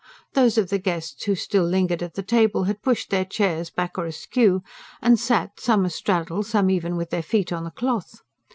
Those of the guests who still lingered at the table had pushed their chairs back or askew, and sat, some a straddle, some even with their feet on the cloth.